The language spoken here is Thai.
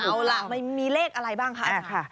เอาล่ะมีเลขอะไรบ้างคะ